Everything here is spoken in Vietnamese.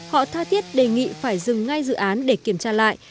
họ tha thiết đề nghị phải dừng ngay dự án để kiểm tra lại